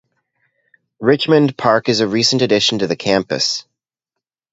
Richmond Park is a recent addition to the campus.